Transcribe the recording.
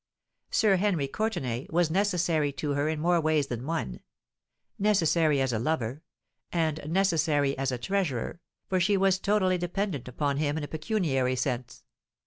Sir Henry Courtenay was necessary to her in more ways than one: necessary as a lover—and necessary as a treasurer, for she was totally dependent upon him in a pecuniary sense.